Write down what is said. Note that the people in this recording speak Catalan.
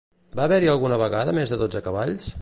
Va haver-hi alguna vegada més de dotze cavalls?